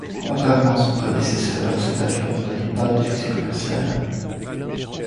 Contrairement à son prédécesseur, cet avion ne connaît pas de succès commercial.